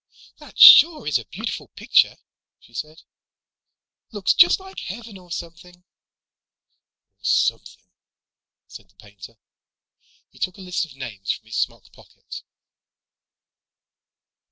"That sure is a beautiful picture," she said. "Looks just like heaven or something." "Or something," said the painter. He took a list of names from his smock pocket.